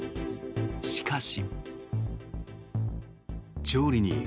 しかし。